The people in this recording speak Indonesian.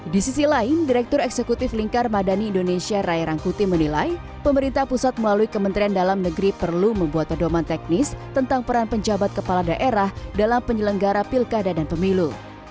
di sisi lain direktur eksekutif lingkar madani indonesia rai rangkuti menilai pemerintah pusat melalui kementerian dalam negeri perlu membuat pedoman teknis tentang peran penjabat kepala daerah dalam penyelenggara pilkada dan pemilu